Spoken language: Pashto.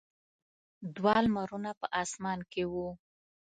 دوه لمرونه په اسمان کې وو.